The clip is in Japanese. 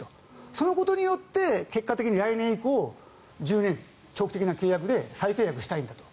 そのことによって結果的に来年以降１０年、長期的な契約で再契約したいんだと。